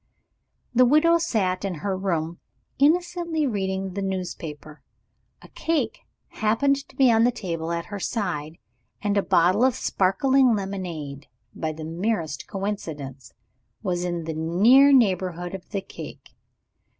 The widow sat in her room, innocently reading the newspaper. A cake happened to be on the table at her side; and a bottle of sparkling lemonade, by the merest coincidence, was in the near neighborhood of the cake.